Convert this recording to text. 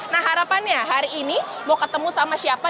nah harapannya hari ini mau ketemu sama siapa